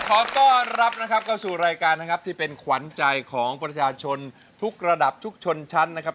ขอต้อนรับนะครับเข้าสู่รายการนะครับที่เป็นขวัญใจของประชาชนทุกระดับทุกชนชั้นนะครับ